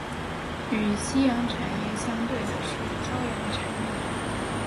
与夕阳产业相对的是朝阳产业。